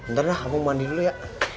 ntar lah aku mandi dulu ya